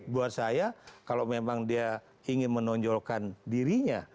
buat saya kalau memang dia ingin menonjolkan dirinya